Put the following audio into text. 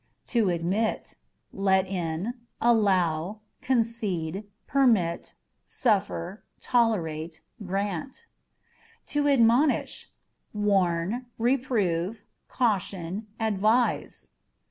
To Admit â€" let in, allow, concede, permit, suffer, tolerate, grant. To Admonish â€" warn, reprove, caution, advise.